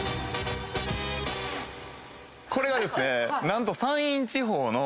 これはですね何と。